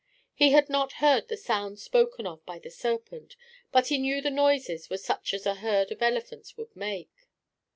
He had not heard the sounds spoken of by the serpent, but he knew the noises were such as a herd of elephants would make.